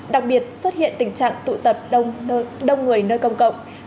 đặc biệt xuất hiện tình trạng tụ tập đông người nơi công cộng